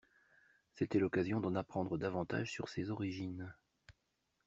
C’était l’occasion d’en apprendre davantage sur ses origines.